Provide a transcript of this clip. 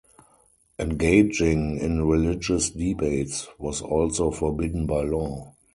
Engaging in religious debates was also forbidden by law.